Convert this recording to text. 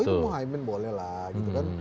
itu muhaymin bolehlah gitu kan